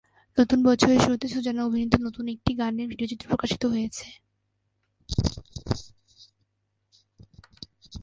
নতুন বছরের শুরুতে সুজানা অভিনীত নতুন একটি গানের ভিডিওচিত্র প্রকাশিত হয়েছে।